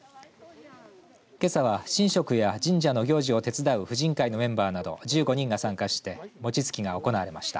けさは神職や神社の行事を手伝う婦人会のメンバーなど１５人が参加して餅つきが行われました。